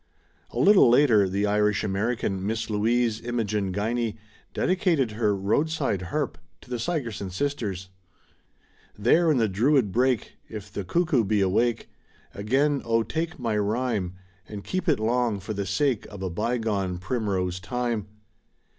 A little later the Irish American, Miss Louise Imogen Guiney, dedi cated her ^^Roadside Harp*' to the Sigerson sisters : There in the Druid brake. If the cuckoo be awake Again, oh, take my rhyme. And keep it long for the sake Of a bygone primrose time.